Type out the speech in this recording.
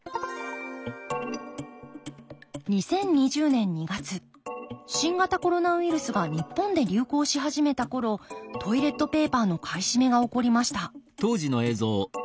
２０２０年２月新型コロナウイルスが日本で流行し始めた頃トイレットペーパーの買い占めが起こりました